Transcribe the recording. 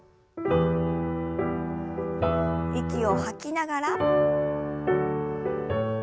息を吐きながら。